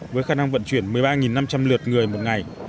với khả năng vận chuyển một mươi ba năm trăm linh lượt người một ngày